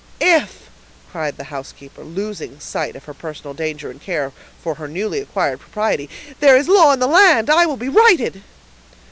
"If," cried the housekeeper, losing sight of her personal danger in care for her newly acquired property, "there is law in the land, I will be righted!"